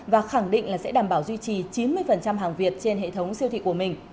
và khẳng định là sẽ đảm bảo duy trì chín mươi hàng việt trên hệ thống siêu thị của mình